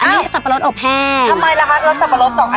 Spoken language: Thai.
อันนี้สัปปะรสกรอบสัปปะโล่นอบแท่